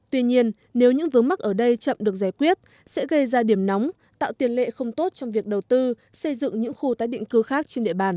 tuy nhiên nếu những vướng mắc ở đây chậm được giải quyết sẽ gây ra điểm nóng tạo tiền lệ không tốt trong việc đầu tư xây dựng những khu tái định cư khác trên địa bàn